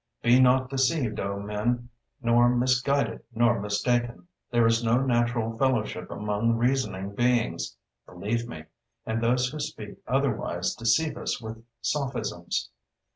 _Be not deceived, O men, nor misguided nor mistaken—there is no natural fellowship among reasoning beings, believe me; and those who speak otherwise deceive us with sophisms.